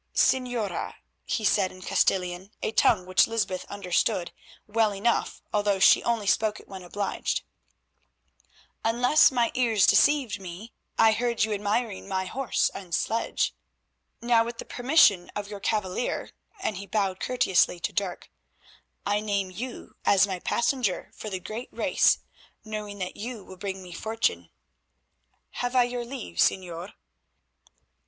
"Señora," he said in Castilian, a tongue which Lysbeth understood well enough, although she only spoke it when obliged, "unless my ears deceived me, I heard you admiring my horse and sledge. Now, with the permission of your cavalier," and he bowed courteously to Dirk, "I name you as my passenger for the great race, knowing that you will bring me fortune. Have I your leave, Señor?"